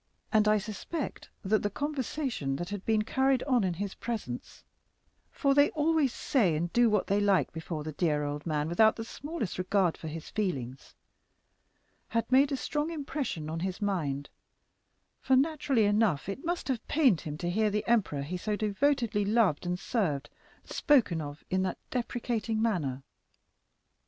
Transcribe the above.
And I suspected that the conversation that had been carried on in his presence (for they always say and do what they like before the dear old man, without the smallest regard for his feelings) had made a strong impression on his mind; for, naturally enough, it must have pained him to hear the emperor he so devotedly loved and served spoken of in that depreciating manner."